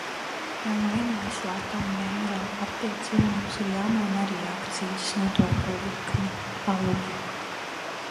Ja mainās lata un eiro attiecība, mums ir jāmaina arī akcīzes nodokļa likme alum.